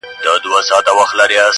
مرګه تا ته يې لۀ سره زمزمه کړم